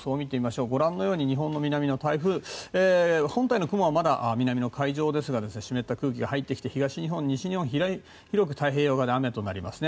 ご覧のように日本の南の台風本体の雲はまだ南の海上ですが湿った空気が入ってきて東日本、西日本の太平洋側で雨となりますね。